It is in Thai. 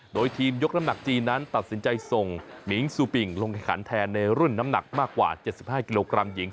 โดยทีมยกน้ำหนักจีนนั้นตัดสินใจส่งมิงซูปิงลงแข่งขันแทนในรุ่นน้ำหนักมากกว่า๗๕กิโลกรัมหญิง